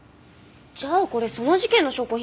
じゃあこれその事件の証拠品なんだ。